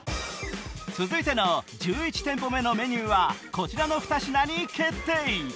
続いての１１店舗目のメニューはこちらの２品に決定